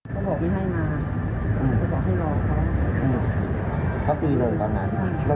เพราะพี่แหละค่ะวิธีภาพเกลียดไปเยอะ